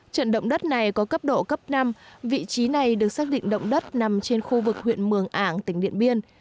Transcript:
trận động đất này có cấp độ cấp năm vị trí này được xác định động đất nằm trên khu vực huyện mường ảng tỉnh điện biên